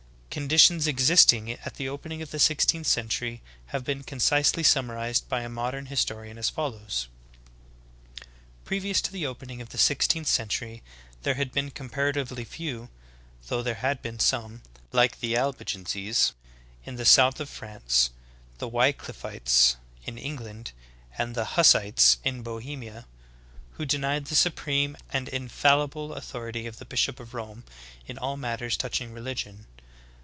5. Conditions existing at the opening of the sixteenth century have been concisely summarized by a modern his torian as follows : "Previous to the opening of the sixteenth century there had been comparatively few — though there had been some, like the Albigenses in the south of France, the Wickliffites, in England, and the Hussites, in Bohemia — who denied the supreme and infallible authority of the bishop of Rome in all matters touching religion.